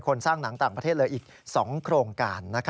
สร้างหนังต่างประเทศเลยอีก๒โครงการ